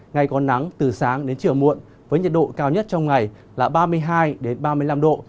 ngày có nắng từ sáng đến chiều muộn với nhiệt độ cao nhất trong ngày là ba mươi hai ba mươi năm độ